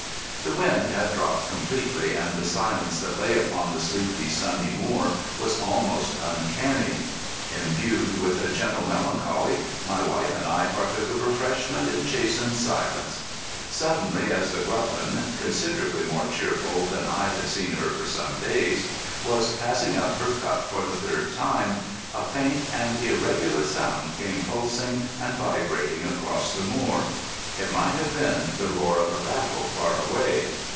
The wind had dropped completely, and the silence that lay upon the sleepy, sunny moor was almost uncanny. Imbued with a gentle melancholy, my wife and I partook of refreshment in chastened silence. Suddenly, as The Gruffin (considerably more cheerful than I had seen her for some days) was passing up her cup for the third time, a faint and irregular sound came pulsing and vibrating across the moor. It might have been the roar of a battle far away.